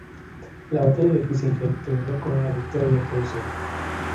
La batalla de Kissingen terminó con una victoria de Prusia.